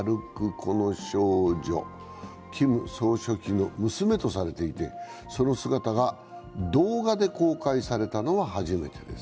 この少女、キム総書記の娘とされていて、その姿が動画で公開されたのは初めてです。